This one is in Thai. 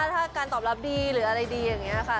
ถ้าการตอบรับดีหรืออะไรดีอย่างนี้ค่ะ